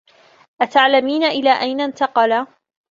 أتعلمين إلى أين انتقل؟